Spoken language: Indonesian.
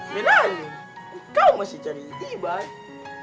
bilang kau masih cari iban